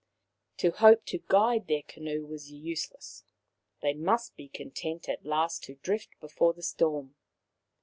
To hope to guide their canoe was useless ; they must be content at last to drift before the storm.